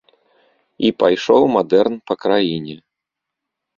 І пайшоў мадэрн па краіне.